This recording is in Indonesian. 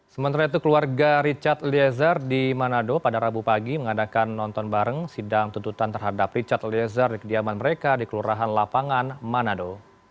sementara itu keluarga richard eliezer di manado pada rabu pagi mengadakan nonton bareng sidang tuntutan terhadap richard eliezer di kediaman mereka di kelurahan lapangan manado